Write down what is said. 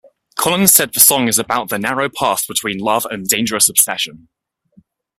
Collins said the song is about the narrow path between love and dangerous obsession.